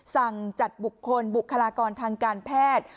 สั่งจัดบุคคลบุคลากรทางการแพทย์